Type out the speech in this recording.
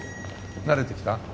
慣れてきた？